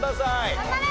頑張れ！